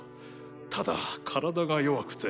ただ体が弱くて。